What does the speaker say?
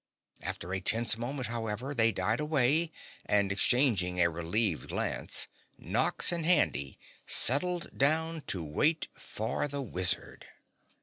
After a tense moment, however, they died away, and exchanging a relieved glance, Nox and Handy settled down to wait for the wizard.